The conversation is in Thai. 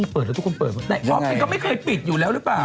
พร้อมเป็นก็ไม่เคยปิดอยู่แล้วหรือเปล่า